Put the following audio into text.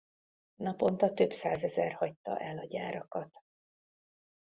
Naponta több százezer hagyta el a gyárakat.